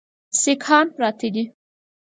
سیکهان پراته دي.